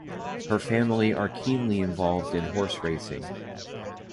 Her family are keenly involved in horse racing.